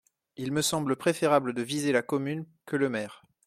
Il me semble préférable de viser la commune que le maire.